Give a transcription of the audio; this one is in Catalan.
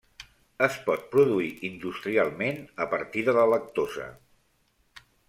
Es pot produir industrialment a partir de la lactosa.